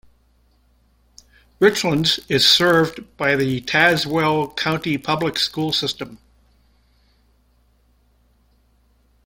Richlands is served by the Tazewell County Public School System.